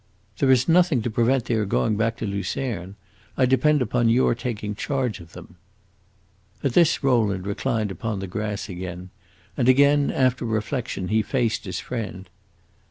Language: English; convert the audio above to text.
"There is nothing to prevent their going back to Lucerne. I depend upon your taking charge of them." At this Rowland reclined upon the grass again; and again, after reflection, he faced his friend.